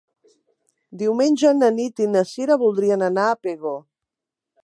Diumenge na Nit i na Sira voldrien anar a Pego.